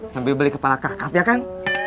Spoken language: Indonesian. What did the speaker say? sambil beli kepala kakap ya kan